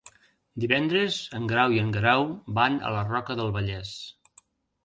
Divendres en Grau i en Guerau van a la Roca del Vallès.